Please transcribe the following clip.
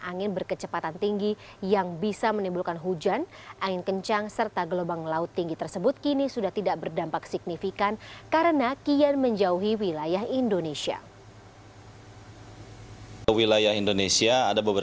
angin berkecepatan tinggi yang bisa menimbulkan hujan angin kencang serta gelombang laut tinggi tersebut kini sudah tidak berdampak signifikan karena kian menjauhi wilayah indonesia